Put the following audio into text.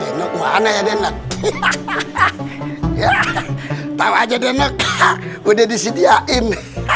enggak ada ya denak hahaha ya tahu aja denek udah disediain